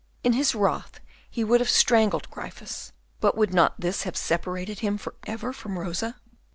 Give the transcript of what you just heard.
In his wrath he would have strangled Gryphus, but would not this have separated him for ever from Rosa?